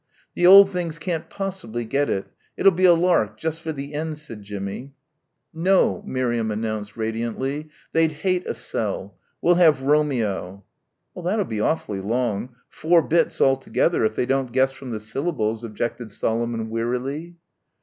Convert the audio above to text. "The old things can't possibly get it. It'll be a lark, just for the end," said Jimmie. "No." Miriam announced radiantly. "They'd hate a sell. We'll have Romeo." "That'll be awfully long. Four bits altogether, if they don't guess from the syllables," objected Solomon wearily.